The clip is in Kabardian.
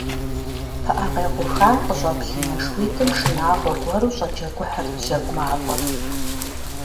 ПыӀэ къекъухам къыщӀэплъ и нэшхуитӀым шынагъуэ гуэру щӀэджэгухьырт жьэгу мафӀэр.